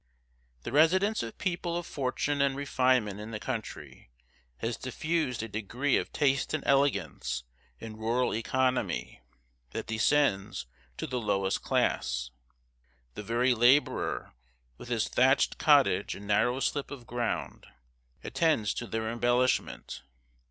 The residence of people of fortune and refinement in the country, has diffused a degree of taste and elegance in rural economy that descends to the lowest class. The very laborer, with his thatched cottage and narrow slip of ground, attends to their embellishment.